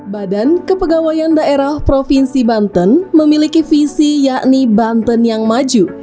badan kepegawaian daerah provinsi banten memiliki visi yakni banten yang maju